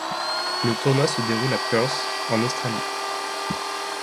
Le tournoi se déroule à Perth, en Australie.